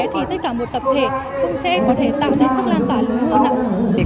thì tất cả một tập thể cũng sẽ có thể tạo ra sức lan tỏa lưu lượng